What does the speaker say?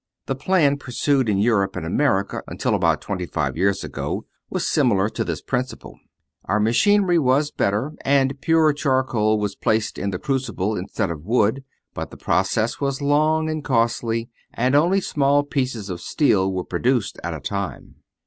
The plan pursued in Europe and America, until about twenty five years ago, was similar to this in principle. Our machinery was better, and pure charcoal was placed in the crucible instead of wood; but the process was long and costly, and only small pieces of steel were produced at a time.